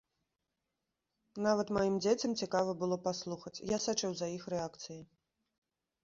Нават маім дзецям цікава было паслухаць, я сачыў за іх рэакцыяй.